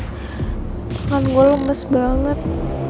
tangan gue lemes banget